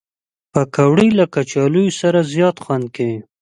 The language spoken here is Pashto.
پکورې له کچالو سره زیات خوند کوي